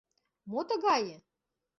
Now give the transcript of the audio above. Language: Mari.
– Мо тыгае?